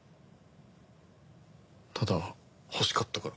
ただ欲しかったから。